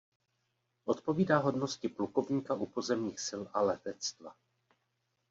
Odpovídá hodnosti plukovníka u pozemních sil a letectva.